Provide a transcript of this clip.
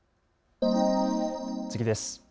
次です。